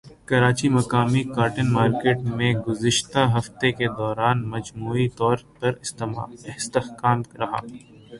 کراچیمقامی cotton market میں گزشتہ ہفتے کے دوران مجموعی طور پر استحکام رہا